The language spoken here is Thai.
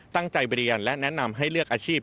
ตั้งใจเรียนและแนะนำให้เลือกอาชีพ